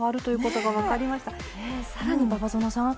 更に馬場園さん。